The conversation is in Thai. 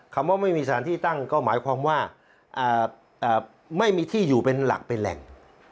คำว่าไม่มีสถานที่ตั้งก็หมายความว่าไม่มีที่อยู่เป็นหลักเป็นแหล่ง